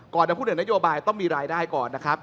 จะพูดถึงนโยบายต้องมีรายได้ก่อนนะครับ